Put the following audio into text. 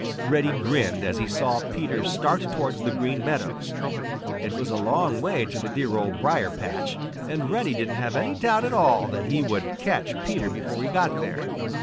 Reddy grinned as he saw Peter start towards the Green Meadows. It was a long way to the dear Old Briar patch, and Reddy didn't have any doubt at all that he would catch Peter before he got there.